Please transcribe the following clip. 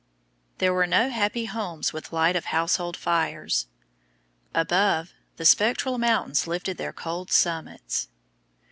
There were no happy homes with light of household fires; above, the spectral mountains lifted their cold summits.